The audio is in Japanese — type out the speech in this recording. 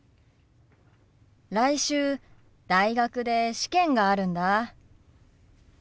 来週大学で試験があるんだ。